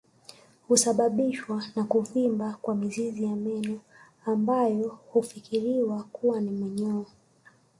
Husababishwa na kuvimba kwa mizizi ya meno ambayo hufikiriwa kuwa na minyoo